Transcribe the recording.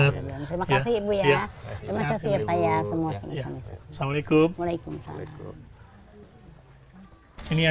terima kasih ibu ya